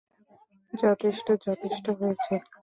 যথেষ্ট, যথেষ্ট হয়েছে!